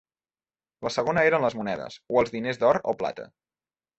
La segona eren les monedes, o els diners d'or o plata.